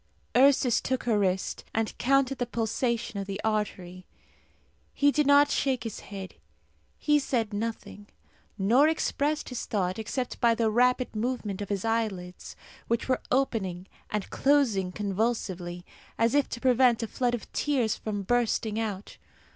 Ursus took her wrist, and counted the pulsation of the artery. He did not shake his head. He said nothing, nor expressed his thought except by the rapid movement of his eyelids, which were opening and closing convulsively, as if to prevent a flood of tears from bursting out.